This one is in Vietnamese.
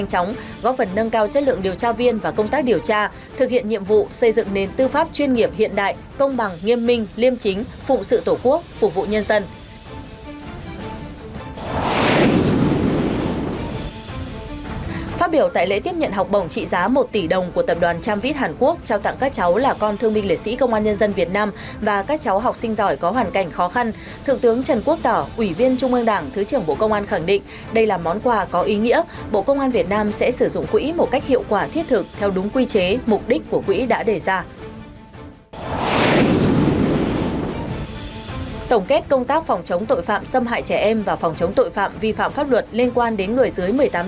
trong kết công tác phòng chống tội phạm xâm hại trẻ em và phòng chống tội phạm vi phạm pháp luật liên quan đến người dưới một mươi tám tuổi năm hai nghìn hai mươi ba